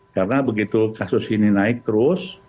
karena begitu kasus ini naik terus